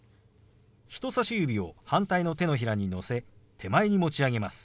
人さし指を反対の手のひらにのせ手前に持ち上げます。